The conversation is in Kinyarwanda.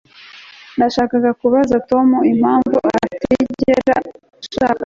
Nashakaga kubaza Tom impamvu atigeze ashaka